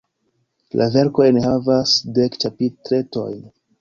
La verko enhavas dek ĉapitretojn.